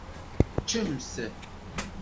Ččemt.